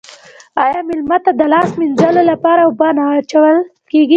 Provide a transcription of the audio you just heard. آیا میلمه ته د لاس مینځلو لپاره اوبه نه اچول کیږي؟